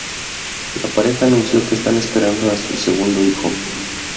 La pareja anunció que están esperando a su segundo hijo.